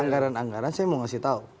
anggaran anggaran saya mau kasih tahu